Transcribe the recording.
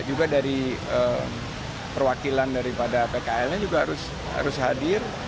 juga dari perwakilan daripada pkl nya juga harus hadir